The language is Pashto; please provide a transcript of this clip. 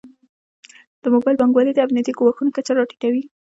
د موبایل بانکوالي د امنیتي ګواښونو کچه راټیټوي.